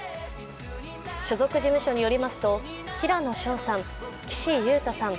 所属事務所によりますと、平野紫耀さん、岸優太さん